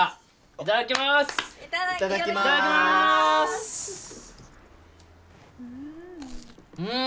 いただきまーすうん！